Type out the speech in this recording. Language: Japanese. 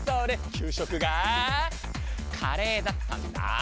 給食がカレーだったんだ。